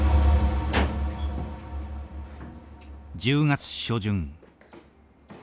１０月初旬。